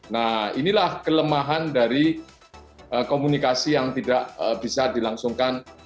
nah inilah kelemahan dari komunikasi yang tidak bisa dilangsungkan